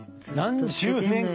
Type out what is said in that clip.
何十年間。